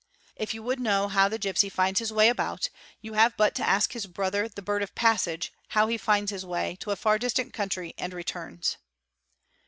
If you would know how 2 gipsy finds his way about you have but to ask his brother the bird of passage" how he finds his way to a far distant country and eturns.